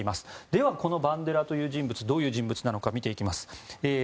では、このバンデラという人物どういう人物なのか見ていきます。